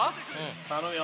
頼むよ。